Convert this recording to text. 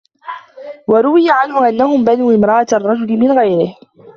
وَرُوِيَ عَنْهُ أَنَّهُمْ بَنُو امْرَأَةِ الرَّجُلِ مِنْ غَيْرِهِ